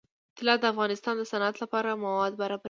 طلا د افغانستان د صنعت لپاره مواد برابروي.